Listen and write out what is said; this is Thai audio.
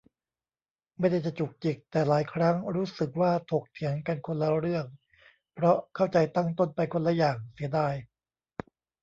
ไม่ได้จะจุกจิก แต่หลายครั้งรู้สึกว่าถกเถียงกันคนละเรื่อง เพราะเข้าใจตั้งต้นไปคนละอย่าง เสียดาย